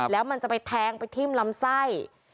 แล้วมันจะไปแทงไปทิ้มลำไส้